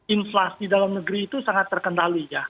inflasi dalam negeri itu sangat terkendali ya